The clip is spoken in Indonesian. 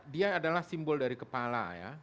dia adalah simbol dari kepala ya